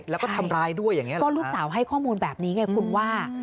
แล้วก็ทำร้ายด้วยอย่างนี้หรือเปล่าคะใช่ก็ลูกสาวให้ข้อมูลแบบนี้ไงคุณว่า